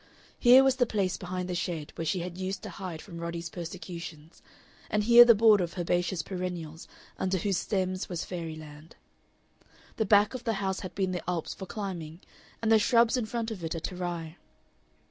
Here was the place behind the shed where she had used to hide from Roddy's persecutions, and here the border of herbaceous perennials under whose stems was fairyland. The back of the house had been the Alps for climbing, and the shrubs in front of it a Terai.